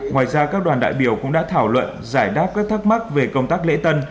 ngoài ra các đoàn đại biểu cũng đã thảo luận giải đáp các thắc mắc về công tác lễ tân